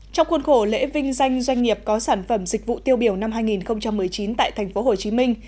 trong khuôn khổ lễ vinh danh doanh nghiệp có sản phẩm dịch vụ tiêu biểu năm hai nghìn một mươi chín tại thành phố hồ chí minh